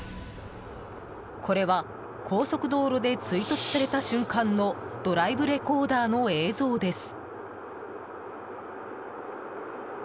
これは高速道路で追突された瞬間のドライブレコーダーの映像です。